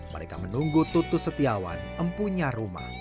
mereka menunggu tutus setiawan empunya rumah